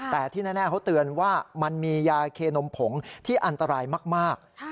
แต่ที่แน่เขาเตือนว่ามันมียาเคนมผงที่อันตรายมาก